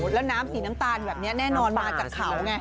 แล้วน้ำสีน้ำตาลแบบนี้แน่นอนมาจากเขาไง